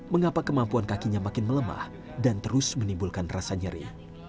mengapa kemampuan kakinya makin melemah dan terus menimbulkan rasa nyeri